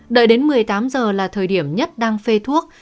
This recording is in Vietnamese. đợi đến một mươi tám giờ là thời điểm nhất đang phê thuốc